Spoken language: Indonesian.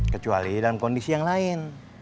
kecuali dalam kondisi yang lain